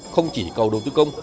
không chỉ cầu đầu tư công